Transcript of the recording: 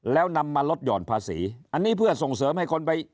แล้วนำมาลดหย่อนภาษีอันนี้เพื่อส่งเสริมให้คนไป